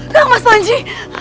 kang mas panji